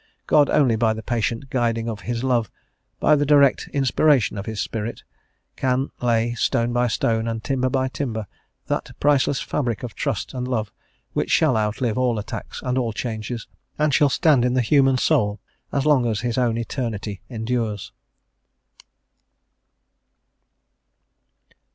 God only, by the patient guiding of His love, by the direct inspiration of His Spirit, can lay, stone by stone, and timber by timber, that priceless fabric of trust and love, which shall outlive all attacks and all changes, and shall stand in the human soul as long as His own Eternity endures.